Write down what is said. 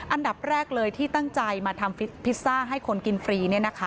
อันดับแรกเลยที่ตั้งใจมาทำพิซซ่าให้คนกินฟรี